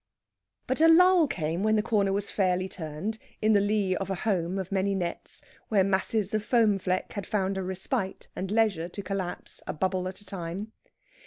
But a lull came when the corner was fairly turned, in the lee of a home of many nets, where masses of foam fleck had found a respite, and leisure to collapse, a bubble at a time.